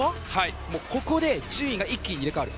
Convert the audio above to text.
ここで順位が一気に入れ替わる。